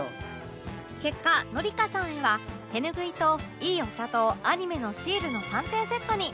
結果紀香さんへは手ぬぐいといいお茶とアニメのシールの３点セットに